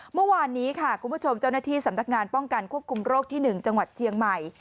เมื่อวานนี้ค่ะคุณผู้ชมเจ้าหน้าที่สำนักงานป้องกันควบคุมโรคที่๑จังหวัดเชียงใหม่